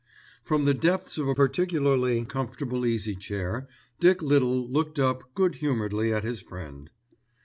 From the depths of a particularly comfortable easy chair, Dick Little looked up good humouredly at his friend.